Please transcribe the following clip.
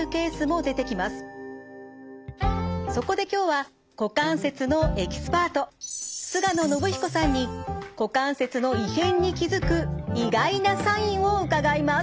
そこで今日は股関節のエキスパート菅野伸彦さんに股関節の異変に気付く意外なサインを伺います。